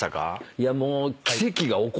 いやもう。